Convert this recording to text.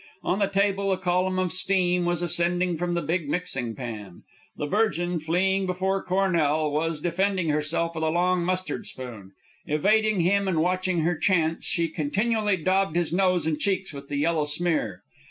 On the table a column of steam was ascending from the big mixing pan. The Virgin, fleeing before Cornell, was defending herself with a long mustard spoon. Evading him and watching her chance, she continually daubed his nose and cheeks with the yellow smear.